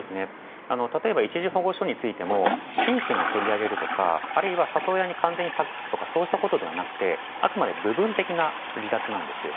例えば一時保護所についても親権を取りあげるとか里親に託すとかそうしたことではなくてあくまで部分的な離脱です。